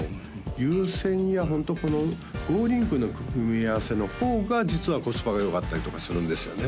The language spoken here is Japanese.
有線イヤホンとこのＧｏｌｉｎｋの組み合わせの方が実はコスパがよかったりとかするんですよね